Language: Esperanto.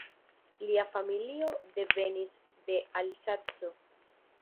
Lia familio devenis de Alzaco.